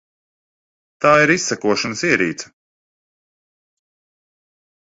Tā ir izsekošanas ierīce.